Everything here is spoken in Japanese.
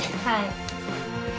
はい。